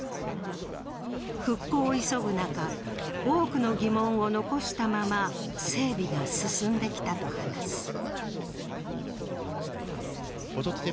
復興を急ぐ中、多くの疑問を残したまま整備が進んできたと話す。